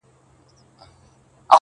د ژوندون ساه او مسيحا وړي څوك.